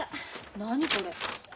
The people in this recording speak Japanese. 何これ？